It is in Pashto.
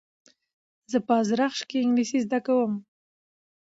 زه په ازرخش کښي انګلېسي زده کوم.